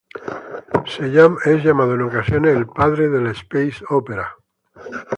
Es llamado en ocasiones el "padre de la "space opera"".